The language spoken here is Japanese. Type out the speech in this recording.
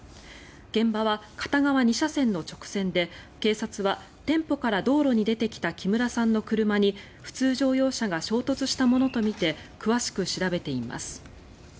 現場は片側２車線の直線で警察は店舗から道路に出てきた木村さんの車に普通乗用車が衝突したものとみて詳しく調べています。